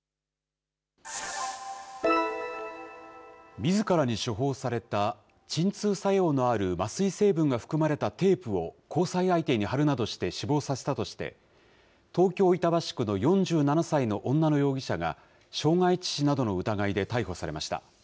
みずからに処方された鎮痛作用のある麻酔成分が含まれたテープを交際相手に貼るなどして死亡させたとして、東京・板橋区の４７歳の女の容疑者が、傷害致死などの疑いで逮捕されました。